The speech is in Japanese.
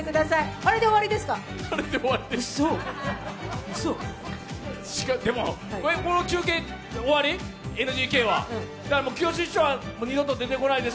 あれで終わりです。